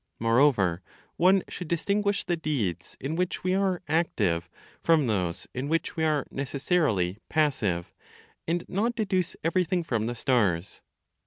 Moreover, one should distinguish the deeds in which we are "active," from those in which we are necessarily "passive," and not deduce everything from the stars.